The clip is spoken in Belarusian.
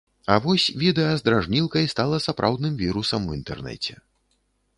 А вось відэа з дражнілкай стала сапраўдным вірусам у інтэрнэце.